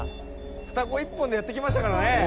「双子一本でやってきましたからね」